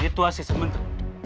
itu asisten bentuk